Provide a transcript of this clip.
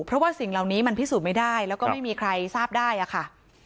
เพราะว่าสิ่งเหล่านี้มันพิสูจน์ไม่ได้แล้วก็ไม่มีใครทราบได้อะค่ะ